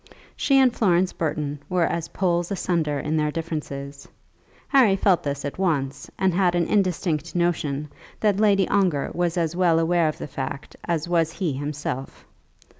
She and Florence Burton were as poles asunder in their differences. Harry felt this at once, and had an indistinct notion that Lady Ongar was as well aware of the fact as was he himself.